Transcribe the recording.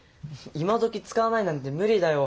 今どき使わないなんて無理だよ。